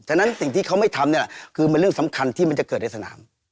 ฉะนั้นสิ่งที่เขาไม่ทำนี่แหละคือมันเรื่องสำคัญที่มันจะเกิดในสนาม